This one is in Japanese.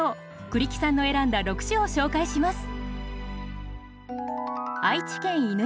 栗木さんの選んだ６首を紹介します。